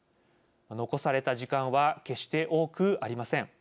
残された時間は決して多くありません。